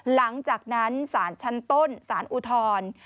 หลังจากนั้นศาลชั้นต้นสารอุทธร